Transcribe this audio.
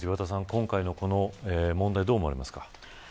今回の問題どう思われますか。